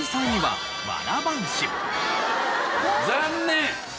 残念！